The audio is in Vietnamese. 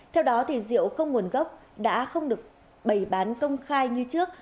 theo đó rượu không nguồn gốc đã không được bày bán công khai như trước